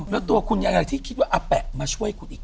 แล้วตัวคุณอะไรที่คิดว่าอาแปะมาช่วยคุณอีก